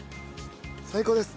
最高です。